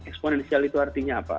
eksponensial itu artinya apa